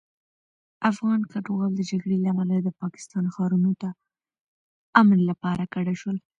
افغان کډوال د جګړې له امله د پاکستان ښارونو ته امن لپاره کډه شول.